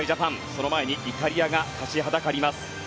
その前にイタリアが立ちはだかります。